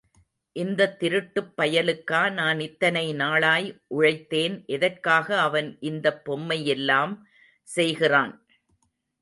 இந்தத் திருட்டுப்பயலுக்கா நான் இத்தனை நாளாய் உழைத்தேன் எதற்காக அவன் இந்தப் பொம்மையெல்லாம் செய்கிறான்?